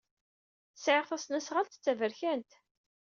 Sɛiɣ tasnasɣalt d taberkant.